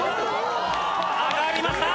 上がりました！